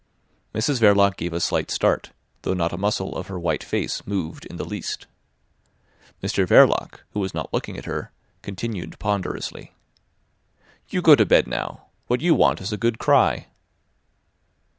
Mrs Verloc gave a slight start, though not a muscle of her white face moved in the least. Mr Verloc, who was not looking at her, continued ponderously. "You go to bed now. What you want is a good cry."